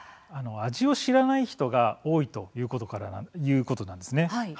味を知らない人が多いということなんですね。